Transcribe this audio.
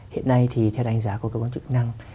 hiện nay theo đánh giá của công an chức năng